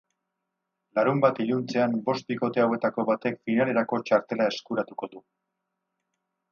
Larunbat iluntzean bost bikote hauetako batek finalerako txartela eskuratuko du.